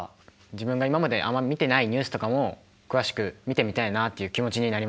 自分が今まであんまり見てないニュースとかも詳しく見てみたいなあっていう気持ちになりました。